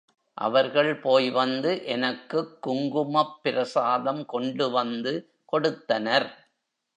அவர்கள் போய்வந்து எனக்குக் குங்குமப் பிரசாதம் கொண்டு வந்து கொடுத்தனர்.